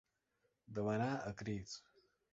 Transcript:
Demanar a crits.